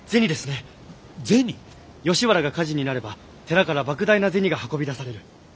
吉原が火事になれば寺からばく大な銭が運び出される。